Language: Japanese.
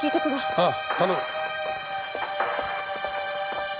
ああ頼む。